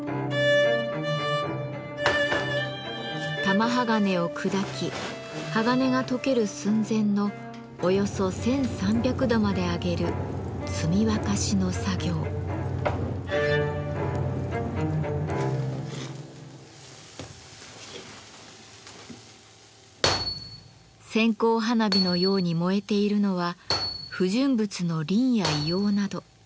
玉鋼を砕き鋼が溶ける寸前のおよそ１，３００度まで上げる線香花火のように燃えているのは不純物のリンや硫黄など。